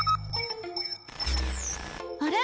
あれ？